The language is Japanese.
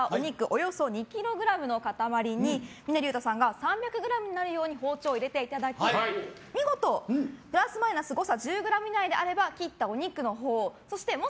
およそ２ｋｇの塊に峰竜太さんが３００ｇになるよう包丁を入れていただき見事プラスマイナス誤差１０ｇ以内であれば切ったお肉をそのまま。